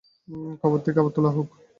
কবর থেকে আবার তোলা হোক।